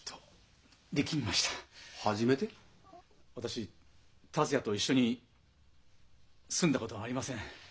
私達也と一緒に住んだことがありません。